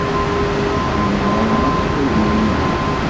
Ur ssineɣ ara anta ay d yemma.